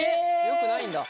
よくないんだ。